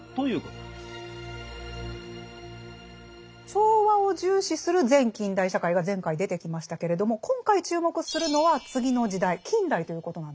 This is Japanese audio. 調和を重視する前近代社会が前回出てきましたけれども今回注目するのは次の時代近代ということなんですね。